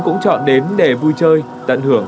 cũng chọn đến để vui chơi tận hưởng